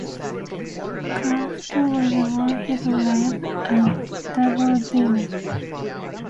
Croft was all his life a double-dealer.